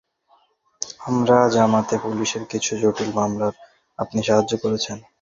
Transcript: আমার জানামতে পুলিশের কিছু জটিল মামলায় আপনি সাহায্য করেছেন।